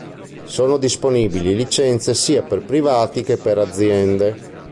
Sono disponibili licenze sia per privati che per aziende.